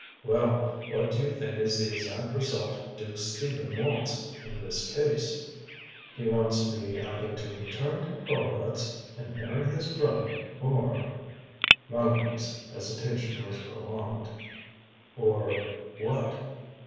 "Well, what do you think is the exact result Duke Stephen wants, in this case?" "He wants me either to return to Krolvetz and marry his brother, or " Mélanie's hesitation was prolonged. "Or what?'